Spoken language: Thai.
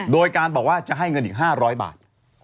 โดยการบอกว่าจะให้เงินอีก๕๐๐บาท